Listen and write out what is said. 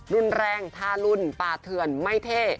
รุนแรงทารุณป่าเถื่อนไม่เท่